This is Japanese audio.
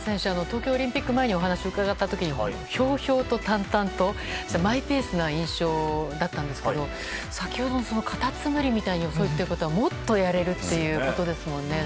東京オリンピック前にお話を伺ったときにひょうひょうと淡々としたマイペースな印象だったんですが先ほどのカタツムリみたいに遅いっていうことはもっとやれるっていうことですもんね。